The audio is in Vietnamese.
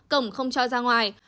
cổng không cho ra ngoài